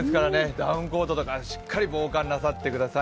ダウンコートなどでしっかり防寒なさってください。